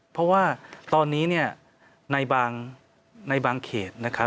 เพราะว่าตอนนี้ในบางเขต